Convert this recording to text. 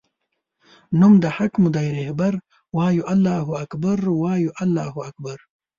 نوم د حق مودی رهبر وایو الله اکبر وایو الله اکبر